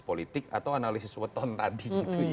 politik atau analisis weton tadi